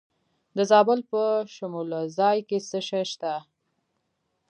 د زابل په شمولزای کې څه شی شته؟